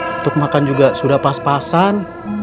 untuk makan juga sudah pas pasan